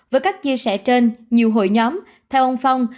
với các chia sẻ trên nhiều hội nhóm theo ông phong